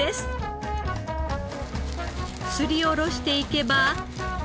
すりおろしていけば。